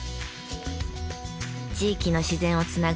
地域の自然をつなぐ藤本さん。